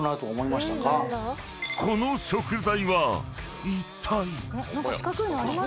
［この食材はいったい？］